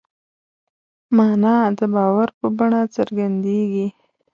مانا د باور په بڼه څرګندېږي.